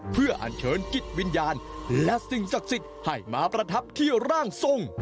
เพื่ออัญเชิญจิตวิญญาณและสิ่งศักดิ์สิทธิ์ให้มาประทับที่ร่างทรง